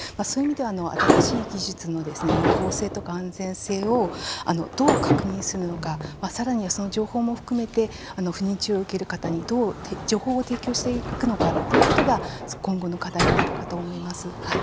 そういう意味では新しい技術の有効性とか安全性をどう確認するのかさらにはその情報も含めて不妊治療を受ける方にどう情報を提供していくのかっていうことが今後の課題になるかと思います。